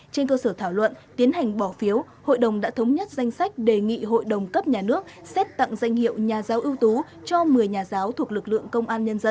trên cơ sở thảo luận tiến hành bỏ phiếu hội đồng đã thống nhất danh sách đề nghị hội đồng cấp nhà nước xét tặng danh hiệu nhà giáo ưu tú cho một mươi nhà giáo thuộc lực lượng công an nhân dân